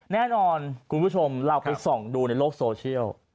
แน่นอนคุณผู้ชมเราไปส่องดูในโลกโซเชียล